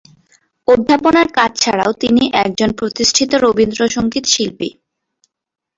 অধ্যাপনার কাজ ছাড়াও, তিনি একজন প্রতিষ্ঠিত রবীন্দ্র সঙ্গীত শিল্পী।